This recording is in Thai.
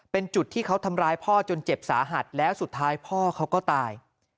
เป็นจุดที่เขาทำร้ายพ่อจนเจ็บสาหัสแล้วสุดท้ายพ่อเขาก็ตาย